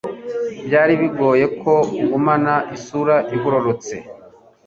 Byari bigoye ko agumana isura igororotse.